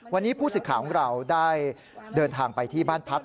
วันนี้ผู้สื่อข่าวของเราได้เดินทางไปที่บ้านพัก